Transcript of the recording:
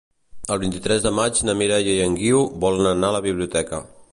El vint-i-tres de maig na Mireia i en Guiu volen anar a la biblioteca.